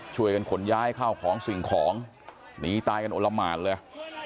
ช่วยกันขนย้ายเข้าของสิ่งของหนีตายกันโอละหมานเลย